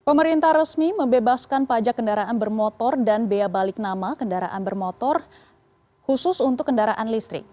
pemerintah resmi membebaskan pajak kendaraan bermotor dan bea balik nama kendaraan bermotor khusus untuk kendaraan listrik